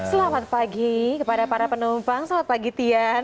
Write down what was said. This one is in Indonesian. selamat pagi kepada para penumpang selamat pagi tian